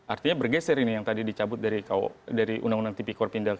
artinya bergeser ini yang tadi dicabut dari undang undang tipik korps pindana